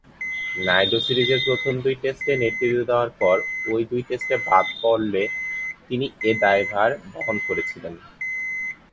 নায়ডু সিরিজের প্রথম দুই টেস্টে নেতৃত্ব দেয়ার পর ঐ দুই টেস্টে বাদ পড়লে তিনি এ দায়িত্বভার বহন করেছিলেন।